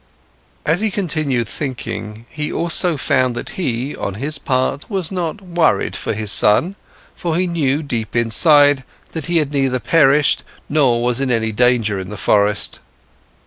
As he continued thinking, he also found that he, on his part, was not worried for his son, that he knew deep inside that he had neither perished nor was in any danger in the forest.